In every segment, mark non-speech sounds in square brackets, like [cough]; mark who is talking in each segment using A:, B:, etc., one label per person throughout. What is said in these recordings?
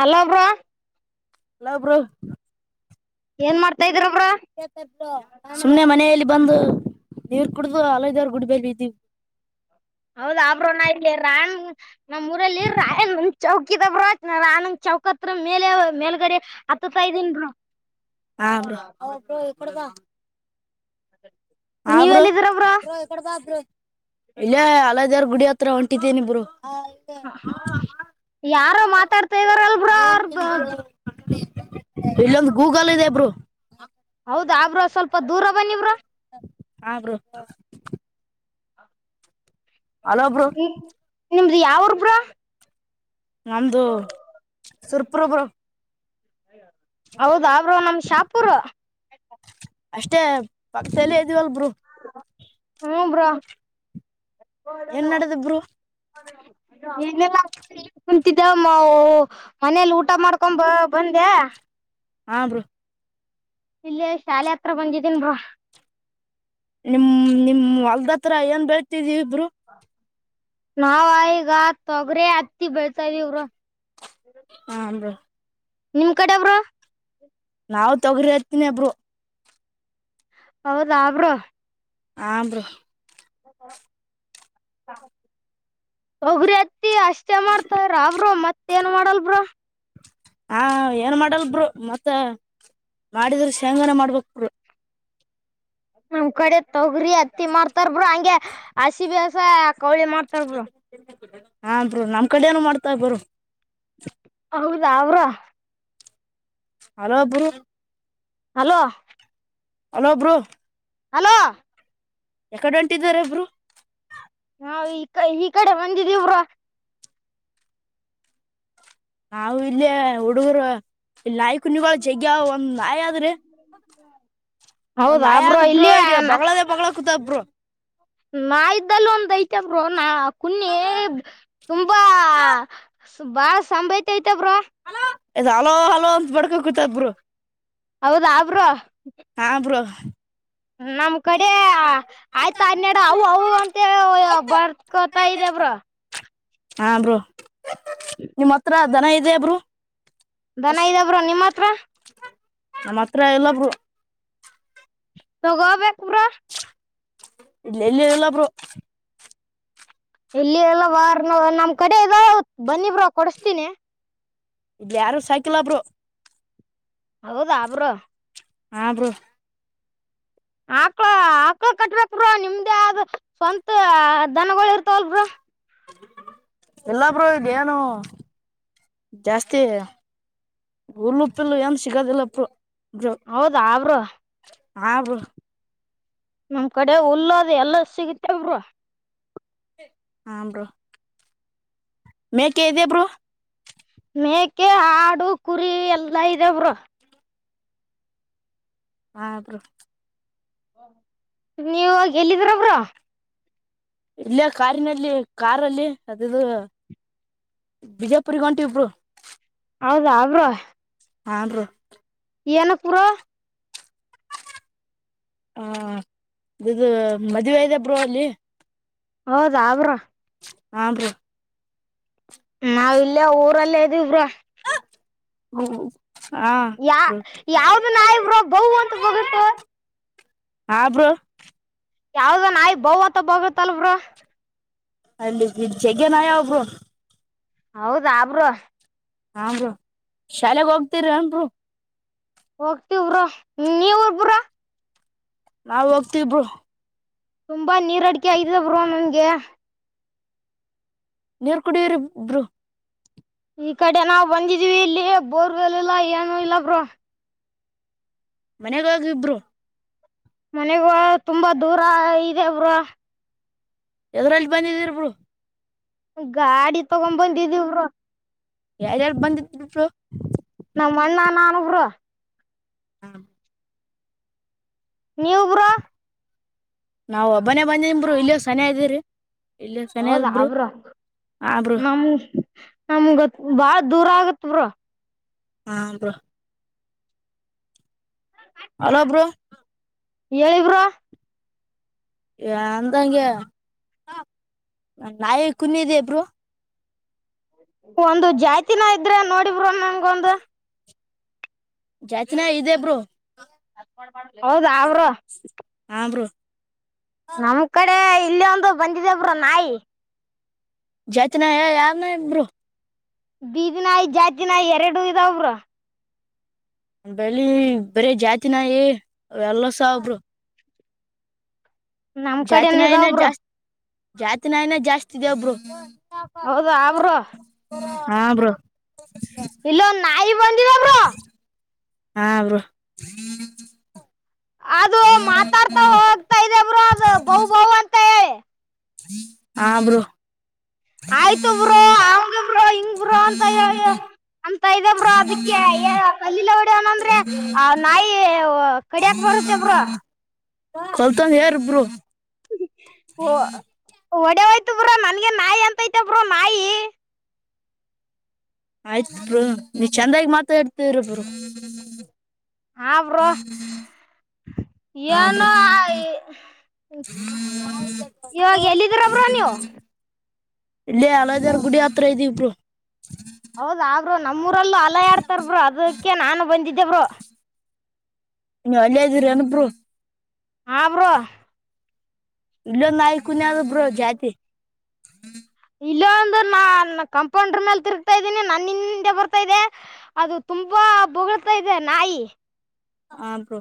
A: Hello bro
B: hello bro
A: ಏನ್ ಮಾಡ್ತಾ ಇದೀರ ಬ್ರೋ
B: ಸುಮ್ನೆ ಮನೆಯಲ್ಲಿ ಬಂದು ನೀರ್ ಕುಡ್ದು ಅಲೈ ದೆವ್ರ ಗುಡ್ಬೇಲ್ ಬಿದ್ದೀವಿ
A: ಹೌದ ಆ ಬ್ರೋ ನ ಇಲ್ಲಿ ರಾಯ ನಮ್ಮೂಊರಲ್ಲಿ ರಾಯಣ್ಣ ಚೌಕ್ ಹಕ್ಕಿದ ಬ್ರೋ ಆನಂದ್ ಚೌಕತ್ರ ಮೇಲೆ ಮೇಲ್ಗಡೆ ಹತ್ತತ ಇದೀನಿ ಬ್ರೋ [unintelligible]
B: ಹ ಬ್ರೊ ಆವಾ ಬ್ರೋ ಇ ಕಡೆ ಬಾ ಹಾ
A: ನೀವ್
B: ಬ್ರೋ
A: ಎಲ್ಲಿದಿರ
B: ಬ್ರೋ ಇ ಕಡೆ ಬಾ ಬ್ರೋ ಇಲ್ಲೇ ಅಲೆದೇವರ ಗುಡಿ ಹತ್ರ [unintelligible] ಹತ್ರ ಹೊಂಟಿದ್ದೇನೆ ಬ್ರೋ
A: ಯಾರ ಮಾತಾಡ್ತಾ ಇದಾರಲ್ ಬ್ರೊ ಅವ್ರುದು
B: ಇಲ್ಲೊಂದು ಗೂಗಲ್ ಇದೆ ಬ್ರೊ
A: ಹೌದಾ ಬ್ರೊ ಸ್ವಲ್ಪ ದೂರ ಬನ್ನಿ ಬ್ರೊ
B: ಹ ಬ್ರೋ ಹಲೋ ಬ್ರೋ
A: ಇದು ಯಾವುರು ಬ್ರೊ
B: ನಮ್ದು ಸುರಪುರ ಬ್ರೊ
A: ಹೌದಾ ಬ್ರೊ ನಮ್ದು ಶಾಪೂರು
B: ಅಷ್ಟೇ ಪಕ್ಸಲ್ಲ ಇದ್ದವಲ್ಬ ಬ್ರೋ [unintelligible]
A: ಬಡ ನ
B: ಏನ್ ನಡೆದ ಬ್ರೋ
A: [unintelligible] ಕುಂತಿದ್ದ ಮನೇಲಿ ಊಟ ಮಾಡ್ಕೊಂದು ಬಂದೆ
B: ಹಾ ಬ್ರೊ
A: ಇಲ್ಲೆ ಶಾಲೆ ಹತ್ರ ಬಂದಿದೀನ್ ಬ್ರೊ
B: ನಿಮ್ ನಿಮ್ ಒಲ್ದತ್ರ ಏನ್ ಬೆಳ್ತಿದೀವಿ ಬ್ರೋ
A: ನಾವ ಈಗ ತೊಗರಿ ಹತ್ತಿ ಬೆಳಿತಿದಿವಿ ಬ್ರೊ
B: ಹಾ ಬ್ರೋ
A: ನಿಮ್ ಕಡೆ ಬ್ರೊ
B: ನಾವ್ ತೊಗರಿ ಹತ್ತಿನಿ ಬ್ರೊ
A: ಹೌದಾ ಬ್ರೊ
B: ಹಾ ಬ್ರೊ
A: ಹ ಒಬರಿ ಅತ್ತಿ ಅಷ್ಟೇ ಮಾಡ್ತಾರ ಅವ್ರು ಮತ್ತೇಏನ್ ಮಾಡಲ್ಬ ಬ್ರೋ [unintelligible]
B: ಹಾ ಏನ್ ಮಾಡಲ್ ಬ್ರೊ ಮತ್ತ ಮಾಡಿದ್ರ ಶೇಂಗಾನೆ ಮಾಡ್ಬೇಕು ಬ್ರೊ
A: ನಮ್ ಕಡೆ ತೊಗ್ರಿ ಅತ್ತಿ ಮಾಡ್ತಾರ್ ಬ್ರೊ ಹಂಗೆ ಹಸಿ ಬೇಸಾಯ ಕೌಳಿ ಮಾಡ್ತಾರ ಬ್ರೊ
B: ಹಾ ಬ್ರೊ ನಮ್ ಕಡೆನು ಮಾಡ್ತಾರ ಬ್ರೊ
A: ಹೌದಾ ಅವ್ರ [unintelligible]
B: hello bro
A: hello
B: hello bro
A: hello
B: ಯಕಡೆ ಹೊಂಟಿದಾರ ಬ್ರೊ
A: ನಾವು ಈ ಈ ಕಡೆ ಬಂದಿದೀವಿ ಬ್ರೊ
B: ನಾವು ಇಲ್ಲೇ ಹುಡುಗರು ಇಲ್ಲಿ ನಾಯ್ ಕುನ್ನಿಗಳ ಜಗ್ಯವ್ ಒಂದ್ ನಾಯದ್ರಿ ಒಂದ್
A: ಹೌದಾ
B: ನಾಯದ್ ಬ್ರೋ
A: ಇಲ್ಲಿ
B: ಇದು
A: ನ-
B: ಬೋಗ್ಳದೇ ಬೋಗಳ ಕೂತದೆ ಬ್ರೋ
A: ನಾ ಇದ್ದಲ್ಲು ಒಂದ್ ಐತೆ ಬ್ರೋ ನ ಕುನ್ನಿ ತುಂಬಾ ಸ್ ಬಾಳ್ ಸಂಬಯಿತತಿ ಬ್ರೋ
B: ಹಲೋ ಇದ್ ಹಲೋ ಹಲೋ ಅಂತ ಬಡ್ಕೋ ಕುೂತ ಬ್ರೋ
A: ಹೌದ ಬ್ರೋ
B: ಸ್
A: ನಮ್ ಕಡೆ ಅ ಆಯ್ತಾ ಹನ್ನೆಡು ಅವು ಅವು ಅಂತೆ ಬರ್ಕೊತಾ ಇದೆ. ಬ್ರೋ
B: ಹಾ ಬ್ರೋ ನಿಮ್ಮ್ ಹತ್ರ ದನ ಇದೆಯ ಬ್ರೋ
A: ದನ ಇದೆ ಬ್ರೋ ನಿಮ್ಮತ್ರ
B: ನಮ್ಮತ್ರ ಇಲ್ಲ ಬ್ರು
A: ತಗೋಬೇಕ್ ಬ್ರೋ
B: ಇಲ್ಲಿ ಎಲ್ಲಿ ಇರಲ ಬ್ರೋ
A: ಇಲ್ಲಿ ಎಲ್ಲ ವಾರ್ನಾವ್ ನಮ್ ಕಡೆ ಇದೆ ಬನ್ನಿಬ್ರು ಕೊಡುಸ್ತೀನಿ
B: ಇಲ್ಲಿ ಯಾರು ಸಾಕಿಲ್ಲ ಬ್ರೋ
A: ಹೌದಾ ಬ್ರೋ
B: ಹಾ ಬ್ರು
A: ಆಕ್ಳ ಆಕ್ಳ ಕಟ್ಬೇಕ್ ಬ್ರೋ ನಿಮ್ದೇ ಸ್ವಂತ ದನಗಳು ಇರ್ತಾವಲ ಬ್ರೋ
B: ಇಲ್ಲಾ ಬ್ರು ಈಗೇನು ಜಾಸ್ತಿ ಉಲ್ಲು ಉಪ್ಪಿಲ್ಲ ಏನ್ ಸಿಗೋದಿಲ್ಲ ಬ್ರು ಬ್ರು
A: ಹೌದಾ ಬ್ರೋ
B: ಹ ಬ್ರು
A: ನಮ್ ಕಡೆ ಉಲ್ಲದೆ ಎಲ್ಲ ಸಿಗತೇ ಬ್ರೋ
B: ಹ ಬ್ರೋ ಮೇಕೆ ಇದ್ಯಾ ಬ್ರದರ್
A: ಮೇಕೆ ಆಡು ಕುರಿ ಎಲ್ಲಾ ಇದೆ ಬ್ರೋ
B: ಹ ಬ್ರೋ
A: ನೀವು ಈಗೆಲ್ಲಿದಿರ ಬ್ರೋ
B: ಇಲ್ಲೇ ಕಾರಿನಲ್ಲಿ ಕಾರಲ್ಲಿ ಅದೆದು ಬಿಜಾಪುರಿಗೆ ಹೊಂಟೀವ್ ಬ್ರು
A: ಹೌದಾ ಬ್ರೋ
B: ಹಾ ಬ್ರು
A: ಏನಕ್ ಬ್ರೋ
B: ಹಾ ಇದೆದು ಮದ್ವೆ ಇದೆ ಬ್ರೋ ಅಲ್ಲಿ
A: ಹೌದ ಬ್ರೋ
B: ಹಾ ಬ್ರೋ
A: ನಾವ್ ಇಲ್ಲೇ ಊರಲ್ಲೇ ಇದಿವ್ ಬ್ರು
B: ಹ್ಮ
A: ಯಾ ಯಾವ್ದ ನಾಯಿ ಬ್ರೋ ಬೌ ಅಂತ ಬೋಗುಳ್ತು
B: ಹಾ ಬ್ರೋ
A: ಯಾವ್ದ ನಾಯಿ ಬೌ ಅಂತ ಬೊಗಳ್ತಲ್ಲ ಬ್ರೋ
B: ಅಲ್ಲಿ ಜ ಜಗ್ಯ ನಾಯಿ ಅವ ಬ್ರೋ
A: ಹೌದ ಬ್ರೋ
B: ಹಾ ಬ್ರು ಶಾಲೆಗ್ ಹೋಗತಿರ ಬ್ರೋ
A: ಹೋಗ್ತಿವ್ ಬ್ರೋ ನೀವು ಬ್ರೋ
B: ನಾವು ಹೋಗ್ತಿವ್ ಬ್ರೋ
A: ತುಂಬಾ ನೀರ್ ಅಡಿಕೆ ಆಯ್ತಿದೆ ಬ್ರೋ ನನ್ಗೆ
B: ನೀರ್ ಕುಡಿಯಿರಿ ಬ್ರೋ.
A: ಈ ಕಡೆ ನಾವು ಬಂದಿದೀವಿ ಇಲ್ಲಿ ಬೋರ್ವೆಲ್ ಇಲ್ಲ ಏನು ಇಲ್ಲ ಬ್ರೋ
B: ಮನೆಗ್ ಹೋಗಿ ಬ್ರೋ
A: ಮನೆಗೂ ತುಂಬಾ ದೂರ ಇದೆ ಬ್ರೋ
B: ಎದ್ರಲ್ಲಿ ಬಂದಿದರ ಬೆಯೋ
A: ಗಾಡಿ ತಗೊ್ ಬಂದಿದ್ದೀವ್ ಬ್ರೋ
B: ಯಾರ್ಯಾರು ಬಂದಿದರಿ ಬ್ರೋ
A: ಅಣ್ಣ ನಾನು ಬ್ರೋ
B: ಹ
A: ನೀವು ಬ್ರೋ
B: ನಾವ್ ಒಬ್ಬನೇ ಬಂದೇನ್ರು ಇಲ್ಲಿಯ ಸನ ಇದ್ದೀರಿ
A: ಹೌದ್ರ
B: ಹಾ ಬ್ರೋ
A: ನಮ ನಮಗ ಬ ದೂರ ಆಗತ್ ಬ್ರೊ
B: ಹಾ ಬ್ರೊ ಹಲೋ ಬ್ರೋ
A: ಹೇಳಿ ಬ್ರೊ
B: ಅಂದಗೆ ನಾಯಿ ಕುನಿ ಇದೆ ಬ್ರೊ
A: ಒಂದು ಜಾತಿ ನಾಯ್ ಇದ್ರೆ ನೋಡಿ ಬ್ರೊ ನನ್ಗೊಂದು.
B: ಜಾತಿ ನಾಯಿ ಇದೇ ಬ್ರೊ
A: ಹೌದಾ ಬ್ರೊ
B: ಹಾಂ ಬ್ರೋ
A: ನಮ್ ಕಡೆ ಇಲ್ಲಿ ಒಂದು ಬಂದಿದೆೇ ಬ್ರೊ ನಾಯಿ.
B: ಜಾತಿ ನಾಯ ಯಾವ್ ನಾಯ್ ಬ್ರೊ
A: ಬೀದಿ ನಾಯ್ ಜಾತಿ ನಾಯ್ ಎರಡು ಇದವ್ ಬ್ರೊ
B: ಬೆಳಿ ಬರೀ ಜಾತಿನ ಏ ಎಲ್ಲಸ ಬ್ರೊ
A: ನಮ್ ಕಡೆನ
B: ಜಾತನಾಯ್ನೆ
A: ಇದಾವ್ ಬ್ರೋ
B: ಜಾಸ್ತಿ ಜಾತನಾಯ್ನೆ ಜಾಸ್ತಿ ಇದ ವ್ ಬ್ರೊ
A: ಹೌದಾ ಬ್ರೊ
B: ಹಾ ಬ್ರೋ
A: ಇಲ್ಲೊಂದು ನಾಯಿ ಬಂದ್ - -
B: ಹಾ ಬ್ರೋ [inaudible]
A: ಅದು ಮಾತಾಡ್ತಾ ಹೋಗ್ತಾ ಇದೆ ಬ್ರೊ ಅದು ಬೌ ಬೌ ಅಂತ ಹೇಳಿ.
B: ಹ ಬ್ರೊ
A: ಆಯ್ತು ಬ್ರೊ ಅಂಗ್ ಬ್ರೊ ಹಿಂಗ್ ಬ್ರೊ ಅಂತ ಹೇಳಿ. ಅಂತ ಇದೆ ಬ್ರೊ ಅದಕ್ಕೆ ಕಲ್ಲಿಂದ ಹೊಡ್ಯನಂದ್ರೆ ಆ ನಾಯಿ. ಕಡ್ಯಕ್ ಬರುತ್ತೆ ಬ್ರೊ
B: ಕೊಲ್ತಂಡ್ ಎರು ಬ್ರೊ
A: ಓ ಒಡಿಹೊಯಾತ್ - ಬ್ರೊ ನನ್ಗೆ ನಾಯ್ ಅಂತೈತಿ ಬ್ರೊ ನಾಯಿ.
B: ಆಯ್ತ್ ಬ್ರೊ ನೀವ್ ಚಂದಾಗಿ ಮಾತಾಡ್ತಿರ್ ಬ್ರೊ.
A: ಹ ಬ್ರೊ
B: ಹಾ ಬ್ರೋ
A: ಏನೊ ಅ ಇ ಇವಾಗ್ ಎಲ್ಲಿದಿರ ನೀವು
B: ಇಲ್ಲೇ ಅಲ ಜಾರ್ ಗುಡಿ ಅತ್ರ ಇದಿವ್ ಬ್ರೊ.
A: ಹೌದಾ ಬ್ರೊ ನಮ್ಮೂರಲ್ಲೂ ಅಲ ಆಡ್ತಾ ರ್ ಬ್ರೇ ಅದಿಕ್ಕೆ ನಾನು ಬಂದಿದ್ದೇ ಬ್ರೊ.
B: ಇನ್ನ ಅಲ್ಲೆನ್ ಇದಿರೇನು ಬ್ರೊ
A: ಹಾ ಬ್ರೋ
B: ಇಲ್ಲೊಂದ್ ನಾಯ್ ಕುನ್ನಿ ಅದ್ ಬ್ರೊ ಜಾತಿ.
A: ಇಲ್ ಒಂದು ನಾ ಕಂಪೌಂಡ್ರು ಮೇಲ್ ತಿರುಗ್ತಾ ಇದ್ದೀನಿ ನನ್ನಿಂದೆ ಬರ್ತಾ ಇದೆ ಅದು ತುಂಬಾ. ಹ ಬೋಗ್ಳುತ ಇದೆ ನಾಯಿ
B: ಹ ಬ್ರೋ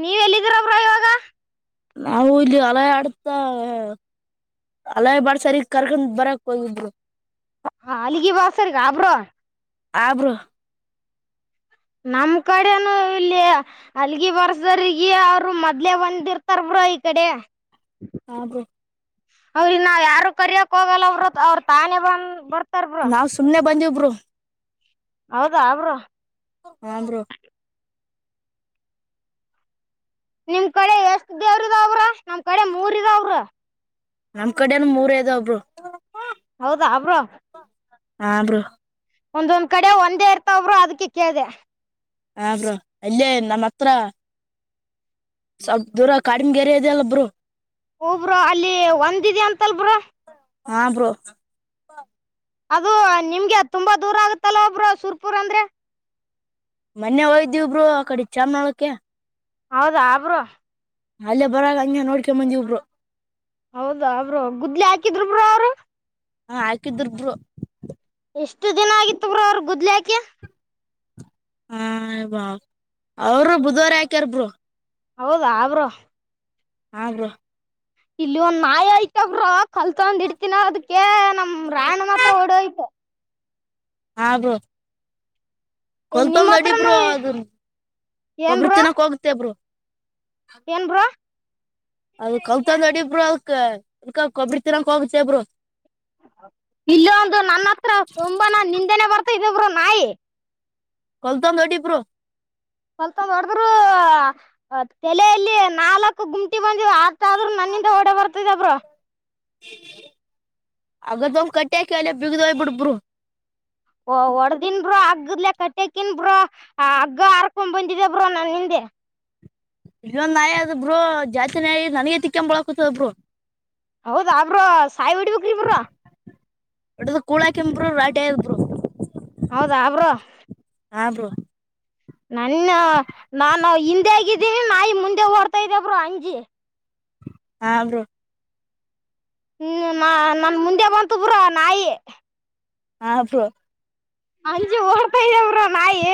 A: ನೀವ್ ಎಲ್ಲಿದ್ದೀರ ಬ್ರೊ ಇವಾಗ.
B: ನಾವು ಇಲ್ಲಿ ಹೊಲ ಆಡ್ತವೆ. ಅಲ್ಲೇ ಬಾಡ್ ಸರಿ ಕರ್ಕೊಂಡ್ ಬರಕ್ ಹೋಗಿದ್ರು
A: ಹ ಅಲ್ಗಿ ಬಾಸರಿಗ ಬ್ರೊ
B: ಆಬ್ರೋ
A: ನಮ್ ಕಡೆನು ಇಲ್ಲಿ ಅಲ್ಗಿ ಬರ್ಸ್ರಗ ಅವರು ಮೊದ್ಲೆ ಒಂದಿರ್ತಾರ ಬಿ ಇ ಕಡೆ
B: ಆ ಬೋ
A: ಅವ್ರ ನಾ ಯಾರು ಕರ್ಯಕ್ ಹೋಗಲ್ಲ ಬ್ರೊ ಅವ್ರ ತಾನೇ ಬಂದ್ ಬರ್
B: ನಾವ್ ಸುಮ್ನೆ ಬಂದಿವ್ ಬ್ರೊ
A: ಹೌದಾ ಬ್ರೊ
B: ಹಾ ಬ್ರೊ
A: ನಿಮ್ ಕಡೆ ಎಷ್ಟ ದೇವ್ರ ಇದಾವ್ ಬ್ರೊ ನಮ್ ಕಡೆ ಮೂರ ಇದಾವ್ ಬ್ರೊ.
B: ನಮ್ ಕಡೆನು ಮೂರ ಅದ ಒಬ್ರು
A: ಹೌದಾ ಅಬ್್ರ
B: ಹಾ ಬ್ರೋ
A: ಒಂದೊಂದ್ ಕಡೆ ಒಂದೇ ಇರ್ತಬ್ರು ಅದಕ್ಕೆ ಕೇಳಿದೆ
B: ಹ ಬ್ರೋ ಅಲ್ಲೇ ನಮ್ಮ ಹತ್ರ ಸ್ವಲ್ಪ ದೂರ ಕಾಡಮಗೆರೆ ಇದಲ್ಲೊಬ್ರು
A: ಹೂ ಬ್ರೋ ಅಲ್ಲಿ ಒಂದಿದೆ ಅಂತಲ್ಬ್ರ
B: ಹಾ ಬ್ರೋ
A: ಅದು ನಿಮ್ಗೆ ತುಂಬಾ ದೂರ ಆಗುತ್ತಲ್ಲ ಒಬ್ರು ಸುರ್ಪುರ್ ಅಂದ್ರೆ
B: ಮೊನ್ನೆ ಹಯ್ದಿವಬ್ರು ಆ ಕಡೆ ಚಾಮನಾಳಕ್ಕೆ
A: ಹೌದಾ ಆಬ್ರು
B: ಅಲ್ಲೇ ಬರಾಗ ಹಂಗಗೆ ನೋಡ್ಕೊ ಬಂದಿ ಒಬ್ರು
A: ಹೌದಾ ಅವಬ್ರು ಗುದ್ಲಿ ಹಾಕಿದ್ರು ಬ್ರ ಅವರು
B: ಹಾ ಹಾಕಿದ್ರಬ್ರು
A: ಎಷ್ಟು ದಿನ ಆಗಿತ್ತು್ರ ಬ್ರುಅವರು ಗುದ್ಲಿ ಹಾಕಿ
B: ಹಾ ಬಾ ಅವರು ಬುಧವರ್ ಯಾಕ್ಯಾರ್ಬರು
A: ಹೌದಾ ಬ್ರೋ
B: ಹಾ ಬ್ರೋ
A: ಇಲ್ಲಿ ಒಂದ್ ನಾಯಿ ಆಯತಬ್ರ ಕಲ್ತಂದ್ ಇಡ್ತಿನ ಅದಕ ನಮ ರಾಣ ಮಾತ್ರ ಓಡೋಯ್ತು
B: ಹ ಬ್ರು
A: ಇನ್ ನಿಮ್
B: ಕಲ್ತಂದ್ ಅಡಿಬರು
A: ಹತ್ರನು
B: ಅದ
A: ಏನ್
B: ಕೊಬ್ರ
A: ಬ್ರೋ
B: ತಿನ್ನಕ್ ಹೋಗತೇಬರು
A: ಏನ್ ಬ್ರು
B: ಅದಕ್ ಹೋಗತಂದ ನೋಡಿ ಇಬರು ಅದಕ ಕೊಬ್ಬಿಡ್ತರಕ ಹೋಗತಬರು
A: ಇಲ್ಲೊಂದು ನನ್ನ ಹತ್ರ ತಂಬನ ನಿಂದೆನೆ ಬರ್ತಾ ಇದಬ್ರು ನಾಯಿ
B: ಕಲ್ತಂಗೊಡು ಹೊಡಿ ಬ್ರೋ
A: ಸ್ವಲ್ಪ ದ ಹೊಡದ್ರು ತಲೆಯಲ್ಲಿ ನಾಲ್ಕು ಗುಮಟಿ ಬಂದಿವ ಆತ ಆದ್ರುೂ ನ ಓಡೆ ಬರ್ತಿದಬ್ರರು
B: ಅಗದ ಒಂಗ ಕಟ್ಟ್ಯಾಕ ಅಲ್ಲ ಬಿಗ್ದ ಹಯ್ಬಿಡ್ಬರು
A: ಓ ಹೊಡದನ್ ಬ್ರೋ ಹಗ್ಗದ್ಲೆ ಕಟ್ಟ್ಯಕನ್ ಬ್ರೋ ಹಗ್ಗ ಹರ್ಕೊಂಡ್ ಬಂದಿದೆ ಬ್ರೋ ನನ್ ಹಿಂದೆ ಹ
B: ಇೊ್ ನಾಯಿ ಅದ ಬ್ರರು ಜಾಸ್ತಿ ನಾಯಿ ನನಗೆ ತಿಕ್ಕೊಂಡ ಬಳ ಕುೂತದ ಬ್ರೋ
A: ಹೌದಾಬ್ರ ಸಾಯಿ ಬಿಡ್ಬೇಕ್ರಿಬ್ರ
B: ಒಟ್ಟದ ಕೂಳಾ ಕೆಂಬರು ರಾಟಿ ಆದರು
A: ಹೌದಾ ಅವರು
B: ಹಾಬ್ರ
A: ನನ್ನ ನಾನು ಹಿಂದೆ ಆಗಿದ್ದೀನಿ ನಾಯಿ ಮುಂದೆ ಓಡ್ತಾ ಇದ್ದೇಬರು ಅಂಜಿ
B: ಹಾ ಬ್ರೋ
A: ಹ್ಮ್ ನಾ ನನ್ ಮುಂದೆ ಬಂತ ಬ್ರ ನಾಯಿ
B: ಹಾ ಬ್ರೋ
A: ಅಂಜಿ ಓಡ್ತಾ ಇದ್ದೇವ್ರ ನಾಯಿ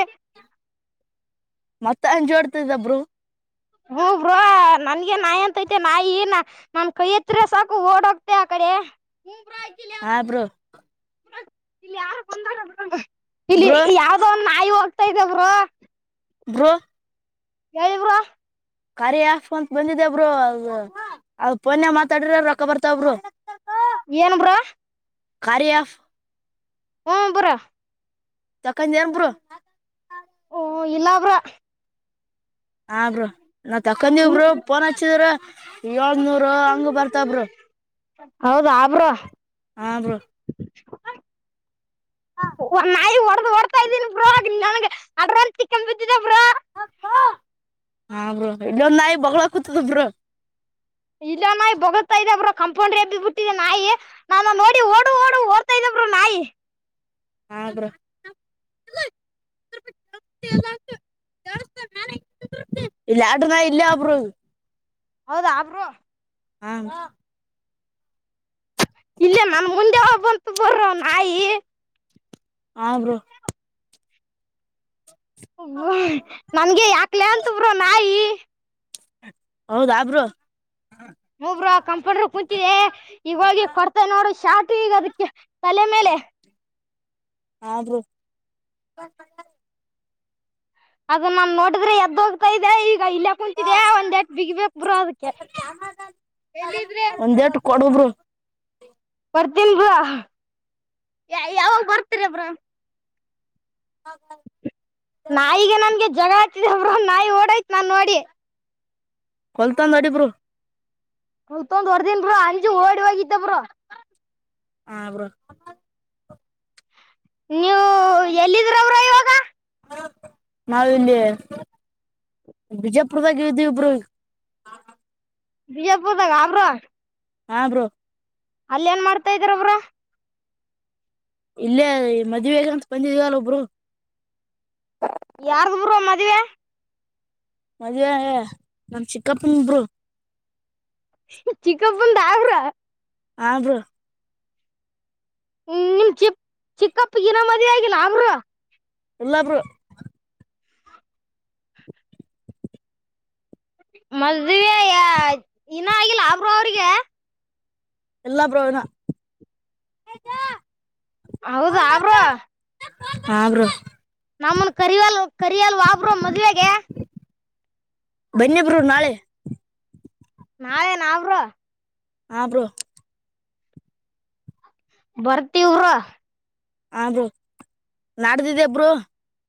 B: ಮತ್ತ ಅಂಜೋಡ್ತದಬ್ರು
A: ಹ್ಮ ಬ್ರೋ ನನ್ಗೆ ನಾಯಿ ಅಂತೈತೆ ನಾಯ ಏನ ನಮ ಕೈಯತ್ ಸಾಕು ಓಡೋಗ್ತೆ ಆ ಕೈ
B: ಹ ಬ್ರೋ
A: ಇ ಯ ಇಲ್ಲಿ
B: ಬ್ರೋ
A: ಯಾವ್ದ ಒ ನಾಯಿ ಹೋಗ್ತಾ ಇದವೇ ಬ್ರೋ
B: ಬ್ರೊಂ
A: ಹೇಳಿವ್ರ ಬ್ರೋ
B: ಕಾರಾರಿ ಹಾಫ ಅಂತ ಬಂದಿದಬ್ರು ಅ ಅ ಪೊನ್ ಮಾತಾಡಿರ ರೊಕ್ಕ ಬರ್ತಬ್ರು
A: ಏನ್ ಬ್ರೋ
B: ಕಾರ್ಯ ಆಫ್
A: ಹ್ಮ ಬುರ
B: ತಕ ನಬರೋ
A: ಓ ಇಲ್ಲಬ್ರ
B: ಹಾ ಬ್ರರು ನಾವು ತಕೊಂಡೀವ ಬರು ಪೋನ್ ಹಚ್ಚಿದ್ರ ಏಳ್ನೂರು ಹಂಗ ಬರ್ತಬ್ರು
A: ಹೌದಾ ಬ್ರೋ
B: ಹ ಬ್ರರು [inaudible] [inaudible]
A: ನಾಯಿ ಹೊಡೆದ ಹೊಡ್ತಾ ಇದ್ದೀನಿ ಬ ನನ್ಗ ಅ್ರ ಚಿಕ್ಕನ್ ಬಿದ್ದಿದ್ದ ಬ್ರ [unintelligible]
B: ಹಾ ಬ್ರ ಇಲ್ಲೊಂದ ನಾಯಿ ಬಳ ಕುೂತದ ಬ್ರ
A: ಇಲ್ಲ ನಾಯಿ ಬೋಗತಾ ಇದದೆರ ಕಂಪೌಂಡ್ರ ಎ ಬಿಟ್ಟಿದೆ ನಾಯಿ ನಾನ ನೋಡಿ ಓಡು ಡು ಓತಾ ಇದ ನಾಯಿ
B: ಹಾಗಗ್ರ [inaudible] [inaudible] ಇಲ್ಲಾಡು ನ ಇಲ್ಲ ಒಬ್ರು
A: ಹೌದಾ ಆಬ್ರು
B: ಹಾ
A: ಇಲ್ಲೇ ನಮ ಮುಂದೆ ಹೋಗಬಂತು ಬರ ನಾಯಿ
B: ಹಾ ಬ್ರೋ
A: ನನ್ಗೆ ಯಾಕ್ಲೆ ಅಂತ ಬ್ರರು ನಾಯಿ
B: ಹೌದಾಬ್ರು
A: ಹಬರು ಕಂಪಂಡ್ರ ಕುೂಂತಿದೆ ಈಗ ಹೋಗಿ ಕೊಡ್ತಾ ನೋಡು ಶಾರ್ಟ್ ಈಗ ಅದಕ್ಕೆ ತಲೆ ಮೇಲೆ
B: ಹಾ ಬ್ರೋ [inaudible]
A: ಅದು ನಮ್ ನೋಡಿದ್ರೆ ಎದ್ದ ಹೋಗತಾ ಇದ ಈಗ ಈಗ ಇಲ್ಲ ಕುಂತಿದ್ಯಾ ಒಂದ್ ಎ ಬಿಗ್ಬೇಕಕ್ ಬರೋ ಅದಕ್ಕೆ ಎಲ್ಲಿದ್ರೆ
B: ಕೊಡುಬ್ರ
A: ಬರ್ತೀನ್ ಬ್ರಾ ಯಾವಾಗ ಬರ್ತೀರ ಬ್ರಾ ನಾಯಗ ನನ್ಗೆ ಜಗ ಆತಿದಬ್ರ ನಾಯಿ ಓಡಾಯ್ತ್ ನಾನೋ
B: ಕೊಲ್ತಂದ ಅಡಿ ಬರು
A: ಹೊಲ್ತೊಂದ್ ಹೊರದನ್ ಬ ಅಂಜ ಓಡಿ ಹಾಗತ ಬ್ರ
B: ಹ ಬ್ರೋ
A: ನೀವು ಎಲ್ಲಿದ್ರ ಅವ್ರ ಇವಾಗ
B: ನಾವ ಇಲ್ಲಿ ಬಿಜಾಪುರದಾಗ ಇದ್ದೀವಿ ಒಬ್ರು
A: ಬಿಜಪುದ ಗಾಮ್ರ
B: ಹಾ ಬ್ರೋ
A: ಅಲ್ಲ ಏನ್ ಮಾಡ್ತಾ ಇದ್ರ ಅವರು
B: ಇಲ್ಲೇ ಮದ್ವೇಗ ಅಂತ ಬಂದಿದವಲ್ಲ ಒಬ್ರು
A: ಯಾರ್ದ ಬುರು ಮದ್ವೆ
B: ಮದ್ನಮ ಚಿಕ್ಕಪ್ಪರು
A: ಚಿಕ್ಕಪಂದ ಬ್ರೋ
B: ಆಬ
A: ಹ್ಮ ಚಿಪ್ ಚಿಕ್ಕಪ್ಪ ಗಿನ ಮದಿವೆ ಆಗಿಲ್ಲಾ ಅವ್ರು
B: ಎಲ್ಲಾ ಬ್ರೂ
A: ಮದ್ವೆಯಾ ಇನಾ ಆಗಿಲ್ಲಾ ಬ್ರೋ ಅವ್ರಿಗೆ
B: ಎಲ್ಲಾ ಪ್ರಜನ
A: ಹೌದ ಅವರು
B: ಹ್ರ
A: ನಮ್ಮನ್ ಕರಿವಲ್ ಕರಿಯಲ್ ವಾಬರು ಮದ್ವೆೆಗೆ
B: ಬನ್ನಿ ಬ್ರೋ ನಾಳೆ
A: ನಾವೇನ್ ಅವ್ರು
B: ಹಾ ಬ್ರೋ
A: ಬರ್ತಿವ್ರು
B: ಹಾ ಬ್ರೋ ನಾಡ್ದಿದ್ದಿ ಬ್ರೋ